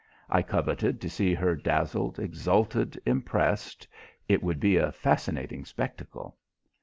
I coveted to see her dazzled, exalted, impressed it would be a fascinating spectacle.